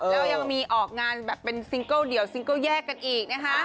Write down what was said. แล้วยังมีออกงานแบบเป็นซิงเกิลเดี่ยวซิงเกิ้ลแยกกันอีกนะคะ